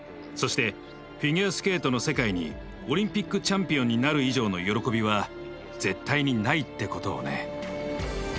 そしてフィギュアスケートの世界にオリンピックチャンピオンになる以上の喜びは絶対にないってことをね。